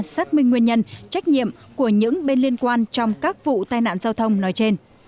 xác minh nguyên nhân trách nhiệm của những bên liên quan trong các vụ tai nạn giao thông nói trên